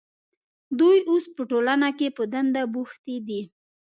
دوی اوس په ټولنه کې په دنده بوختې دي.